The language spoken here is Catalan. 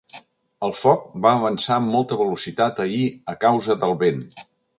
El foc va avançar amb molta velocitat ahir a causa del vent.